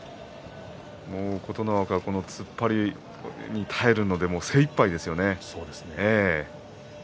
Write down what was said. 琴ノ若、突っ張りに耐えるので精いっぱいでした。